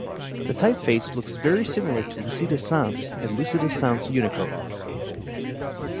The typeface looks very similar to Lucida Sans and Lucida Sans Unicode.